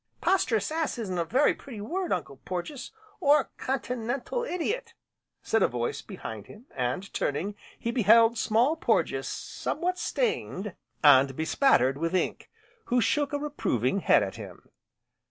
"Posterous ass, isn't a very pretty word, Uncle Porges, or continental idiot!" said a voice behind him, and turning, he beheld Small Porges somewhat stained, and bespattered with ink, who shook a reproving head at him.